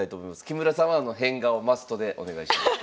木村さんは変顔マストでお願いします。